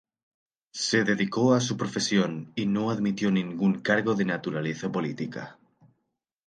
Se dedicó a su profesión y no admitió ningún cargo de naturaleza política.